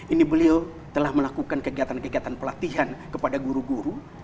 ini beliau telah melakukan kegiatan kegiatan pelatihan kepada guru guru